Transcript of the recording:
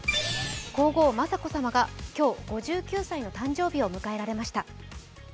皇后・雅子さまが今日、５９歳の誕生日を迎えられました。